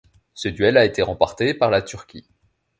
Ce duel a été remporté par la Turquie.